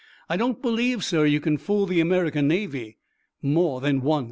I don't believe, sir, you can fool the American Navy more than once."